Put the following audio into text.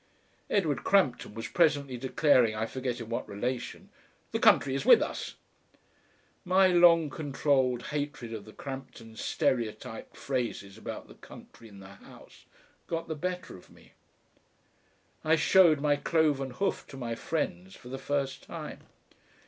Edward Crampton was presently declaring I forget in what relation: "The country is with us." My long controlled hatred of the Cramptons' stereotyped phrases about the Country and the House got the better of me. I showed my cloven hoof to my friends for the first time.